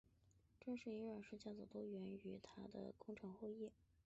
郑氏与阮氏家族都源出于后黎朝开国皇帝黎利的功臣后裔。